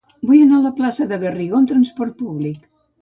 Vull anar a la plaça de Garrigó amb trasport públic.